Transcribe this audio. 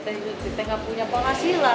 teh gak punya penghasilan